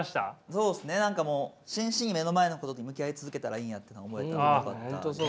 そうですね何かもう真摯に目の前のことに向き合い続けたらいいんやって思えたんでよかった。